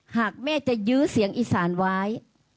หากแม่จะยื้อเสียงอีสานไว้